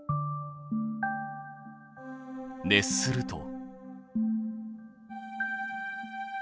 熱すると。